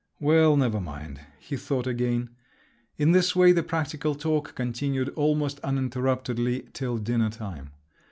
"Well, never mind!" he thought again. In this way the practical talk continued almost uninterruptedly till dinner time.